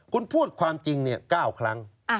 คุณพูดความจริง๙ครั้ง